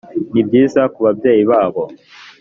ni byiza ku babyeyi babo